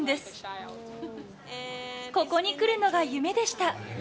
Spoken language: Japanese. ここに来るのが夢でした。